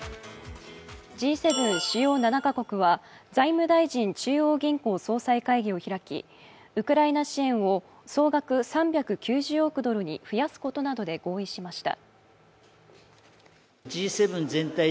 Ｇ７主要７か国は財務大臣中央銀行総裁会議を開き、ウクライナ支援を総額３９０億ドルに増やすことなどで合意しました。